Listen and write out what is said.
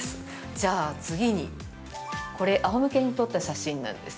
じゃあ次に、これ、あおむけに撮った写真なんです。